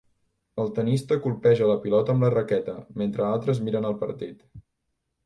El tennista colpeja la pilota amb la raqueta, mentre altres miren el partit.